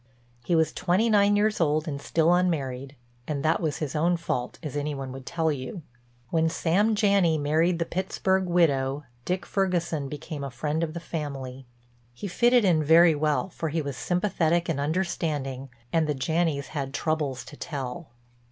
He was twenty nine years old and still unmarried, and that was his own fault as any one would tell you. When Sam Janney married the Pittsburg widow Dick Ferguson became a friend of the family. He fitted in very well, for he was sympathetic and understanding and the Janneys had troubles to tell.